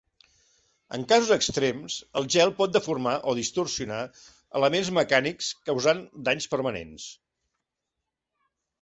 En casos extrems, el gel pot deformar o distorsionar elements mecànics, causant danys permanents.